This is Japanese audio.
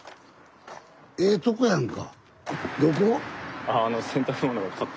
ええとこやんか。